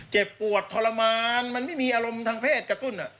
เจ็บปวดทรมานมันไม่มีอารมณ์ทางเพศกระตุ้น